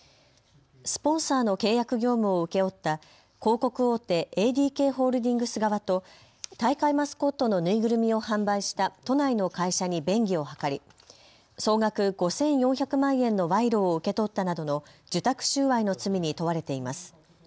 スポンサーの契約業務を請け負った広告大手、ＡＤＫホールディングス側と大会マスコットの縫いぐるみを販売した都内の会社に便宜を図り総額５４００万円の賄賂を受け取ったなどの受託収賄の罪に問われています。